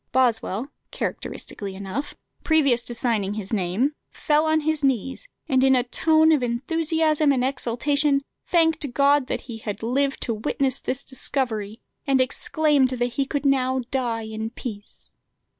Boswell, characteristically enough, previous to signing his name, fell on his knees, and, "in a tone of enthusiasm and exultation, thanked God that he had lived to witness this discovery, and exclaimed that he could now die in peace."